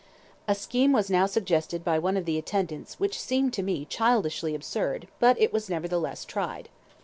A scheme was now suggested by one of the attendants which seemed to me childishly absurd, but it was nevertheless tried.